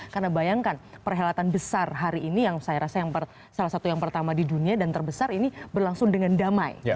karena bayangkan perhelatan besar hari ini yang saya rasa salah satu yang pertama di dunia dan terbesar ini berlangsung dengan damai